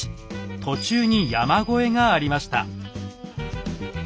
途中に山越えがありました。